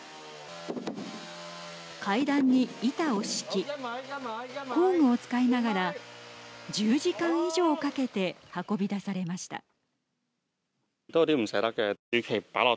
階段に板を敷き工具を使いながら１０時間以上かけて運び出されました。